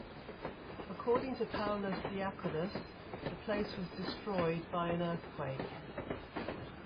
According to Paulus Diaconus the place was destroyed by an earthquake.